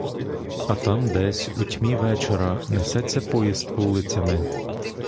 А там десь, у тьмі вечора, несеться поїзд вулицями.